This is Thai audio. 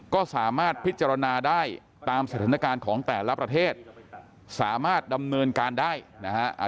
ก็สามารถพิจารณาได้ตามสถานการณ์ของแต่ละประเทศสามารถดำเนินการได้นะฮะ